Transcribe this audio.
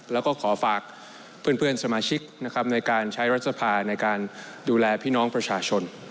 แล้วก็ขอฝากเพื่อนสมาชิกนะครับในการใช้รัฐสภาในการดูแลพี่น้องประชาชน